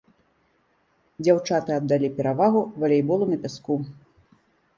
Дзяўчаты аддалі перавагу валейболу на пяску.